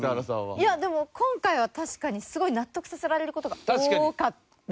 いやでも今回は確かにすごい納得させられる事が多かったかな。